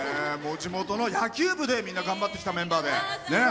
地元の野球部で頑張ってきたメンバーで。